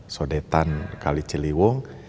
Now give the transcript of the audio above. sudetan kali celiwung